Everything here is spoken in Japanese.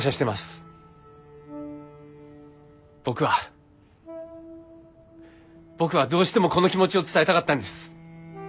僕は僕はどうしてもこの気持ちを伝えたかったんです。